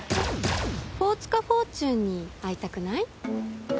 フォーツカ・フォーチュンに会いたくない？